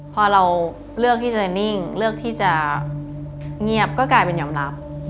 พอเราเลือกที่จะนิ่งเลือกที่จะเงียบก็กลายเป็นยอมรับ